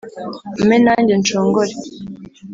umpe nanjye nshongore